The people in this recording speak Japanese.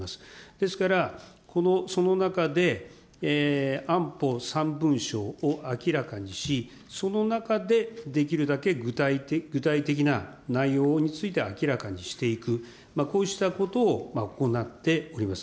ですから、その中で安保３文書を明らかにし、その中でできるだけ具体的な内容については明らかにしていく、こうしたことを行っております。